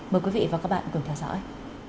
mời quý vị và các bạn cùng theo dõi